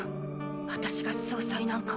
私が総裁なんか。